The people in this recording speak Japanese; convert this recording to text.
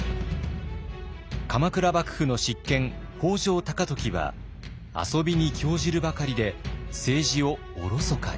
鎌倉幕府の執権北条高時は遊びに興じるばかりで政治をおろそかに。